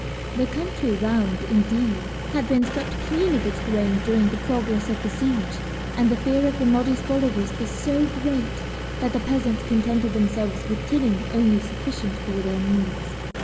The country round, indeed, had been swept clean of its grain during the progress of the siege, and the fear of the Mahdi's followers was so great that the peasants contented themselves with tilling only sufficient for their needs.